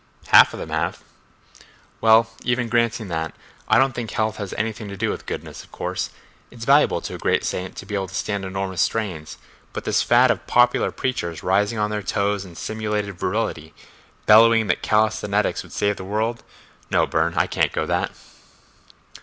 "Half of them have." "Well, even granting that, I don't think health has anything to do with goodness; of course, it's valuable to a great saint to be able to stand enormous strains, but this fad of popular preachers rising on their toes in simulated virility, bellowing that calisthenics will save the world—no, Burne, I can't go that."